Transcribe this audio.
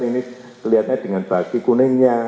ini kelihatannya dengan baki kuningnya